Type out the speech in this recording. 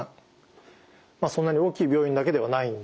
そんなに大きい病院だけではないんですよね。